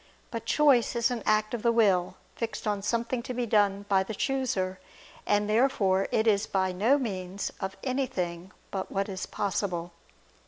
But choice is an act of the will, fixed on something to be done by the chooser. And therefore it is by no means of anything but what is possible.